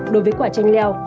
đối với quả chanh leo